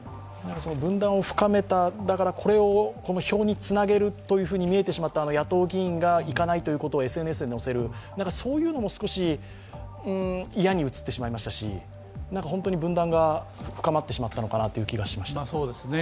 分断を深めた、票につなげると見えてしまった野党議員が行かないということをＳＮＳで載せる、そういうのも少し嫌に映ってしまいましたし本当に分断が深まってしまったのかなという気がしました。